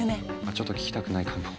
あちょっと聞きたくないかも。